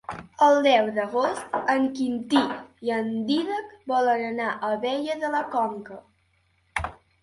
El deu d'agost en Quintí i en Dídac volen anar a Abella de la Conca.